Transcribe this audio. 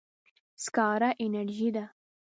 سکاره انرژي ده.